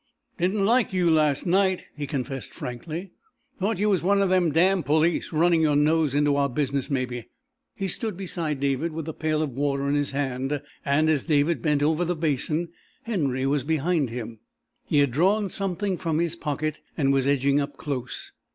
"Didn't like you last night," he confessed frankly. "Thought you was one of them damned police, running your nose into our business mebby." He stood beside David, with the pail of water in his hand, and as David bent over the basin Henry was behind him. He had drawn something from his pocket, and was edging up close.